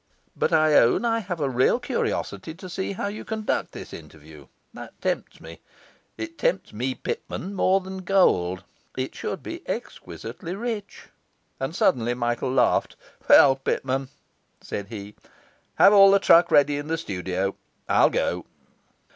But I own I have a real curiosity to see how you conduct this interview that tempts me; it tempts me, Pitman, more than gold it should be exquisitely rich.' And suddenly Michael laughed. 'Well, Pitman,' said he, 'have all the truck ready in the studio. I'll go.